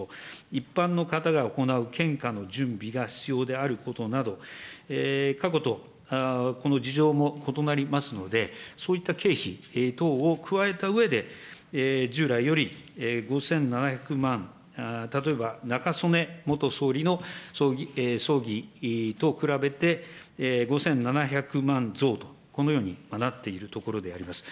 一般の方が行う献花の準備が必要であることなど、過去と、事情も異なりますので、そういった経費等を加えたうえで、従来より５７００万、例えば中曽根元総理の葬儀と比べて、５７００万増と、このようになっているところであります。